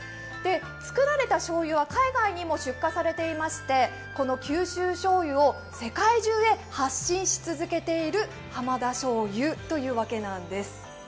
作られた醤油は海外にも出荷されていまして、この九州醤油を世界中へ発信し続けている浜田醤油というわけです。